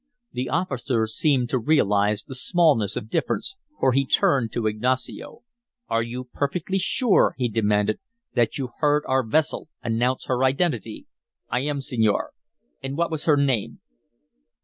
The officer seemed to realize the smallness of difference, for he turned to Ignacio. "Are you perfectly sure," he demanded, "that you heard our vessel announce her identity?" "I am, senor." "And what was her name?"